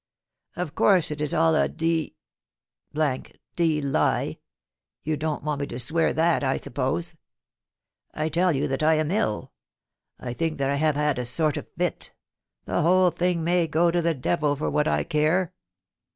... Of course it is all a d d lie; you don't want me to swear that, I suppose ? I tell you that I am ill. I think that I have had a sort of fit The whole thing may go to the devil, for what I care